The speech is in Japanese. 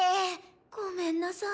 ごめんなさい。